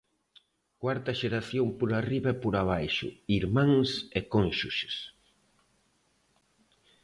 Cuarta xeración por arriba e por abaixo, irmáns e cónxuxes.